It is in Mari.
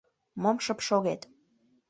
Мом шып шогет?»